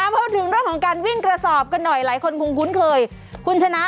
พูดถึงเรื่องของการวิ่งกระสอบกันหน่อยหลายคนคงคุ้นเคยคุณชนะ